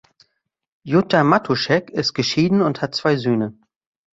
Jutta Matuschek ist geschieden und hat zwei Söhne.